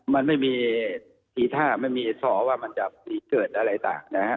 มันไม่มีทีท่าไม่มีสอว่ามันจะเกิดอะไรต่างนะฮะ